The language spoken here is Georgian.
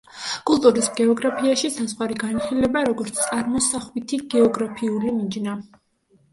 კულტურის გეოგრაფიაში საზღვარი განიხილება როგორც წარმოსახვითი გეოგრაფიული მიჯნა.